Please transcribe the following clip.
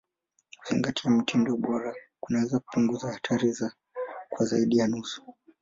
Kuzingatia mtindo bora kunaweza kupunguza hatari kwa zaidi ya nusu.